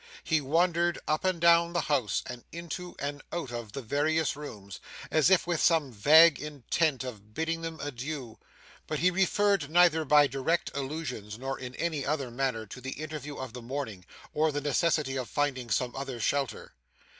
He wandered up and down the house and into and out of the various rooms, as if with some vague intent of bidding them adieu, but he referred neither by direct allusions nor in any other manner to the interview of the morning or the necessity of finding some other shelter.